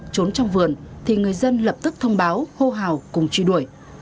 trốn trong vườn thì người dân lập tức thông báo hô hào cùng truy đuổi